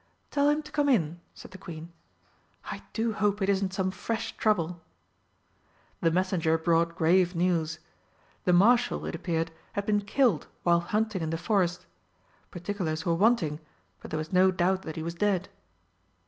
"Tell him to come in," said the Queen. "I do hope it isn't some fresh trouble!" The messenger brought grave news. The Marshal, it appeared, had been killed while hunting in the Forest. Particulars were wanting, but there was no doubt that he was dead.